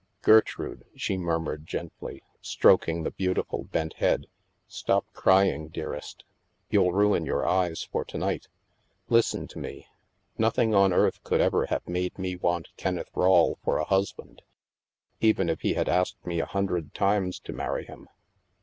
" Gertrude," she murmured gently, stroking the beautiful bent head, " stop crying, dearest. You'll ruin your eyes for to night. Listen to me. Noth ing on earth could ever have made me want Kenneth Rawle for a husband, even if he had asked me a hundred times to marry him."